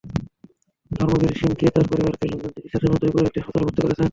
ধর্মবীর সিংকে তাঁর পরিবারের লোকজন চিকিৎসার জন্য জয়পুরের একটি হাসপাতালে ভর্তি করেছেন।